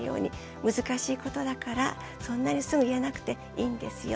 難しいことだからそんなにすぐ言えなくていいんですよ。